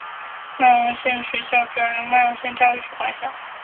曼绒县的学校主要由曼绒县教育局管辖。